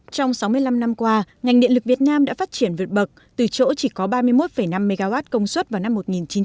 trong sáu mươi năm năm qua ngành điện lực việt nam đã phát triển vượt bậc từ chỗ chỉ có ba mươi một năm mw công suất vào năm một nghìn chín trăm bảy mươi